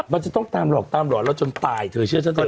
มันจะต้องตามหลอกตามหลอนเราจนตายเธอเชื่อฉันเถอะ